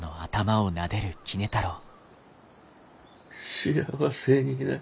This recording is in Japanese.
幸せになれ。